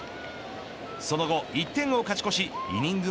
その後、１点を勝ち越しイニング